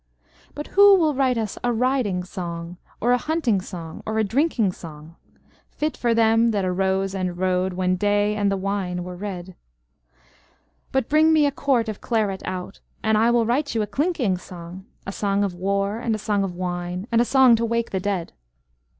But who will write us a riding song, Or a hunting song or a drinking song, Fit for them that arose and rode When day and the wine were red? But bring me a quart of claret out, And I will write you a clinking song, A song of war and a song of wine And a song to wake the dead.